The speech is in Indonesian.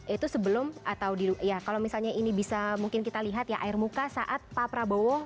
itu sebelum atau ya kalau misalnya ini bisa mungkin kita lihat ya air muka saat pak prabowo